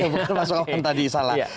bukan mas wawan tadi salah